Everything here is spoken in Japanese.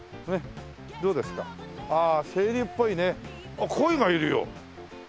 あっコイがいるよ！